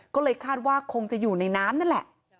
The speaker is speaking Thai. ก็เลยคาดว่าคงจะอยู่ในน้ำนั่นแหละ